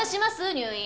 入院。